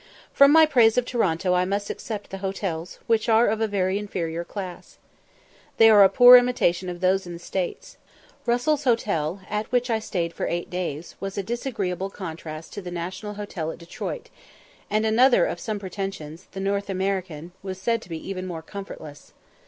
From my praise of Toronto I must except the hotels, which are of a very inferior class. They are a poor imitation of those in the States. Russell's Hotel, at which I stayed for eight days, was a disagreeable contrast to the National Hotel at Detroit, and another of some pretensions, the North American, was said to be even more comfortless.